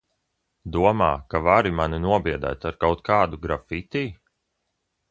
Domā, ka vari mani nobiedēt ar kaut kādu grafiti?